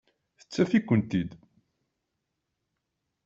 Neṭṭef-ikent-id.